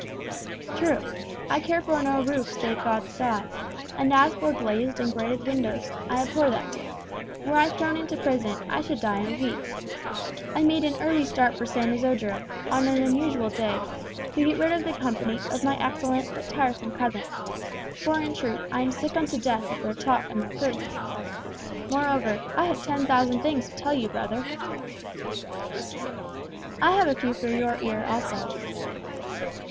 "True. I care for no roof save God's sky; and as for glazed and grated windows, I abhor them. Were I thrown into prison, I should die in a week. I made an early start for San Isodro, on an unusual day, to get rid of the company of my excellent but tiresome cousins; for in truth I am sick unto death of their talk and their courtesies. Moreover, I have ten thousand things to tell you, brother." "I have a few for your ear also."